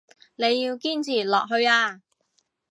你要堅持落去啊